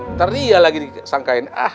ntar dia lagi disangkain